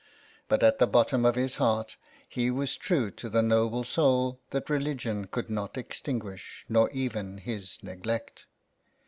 But at the bottom of his heart he was true to the noble soul that religion could not extinguish nor even his neglect.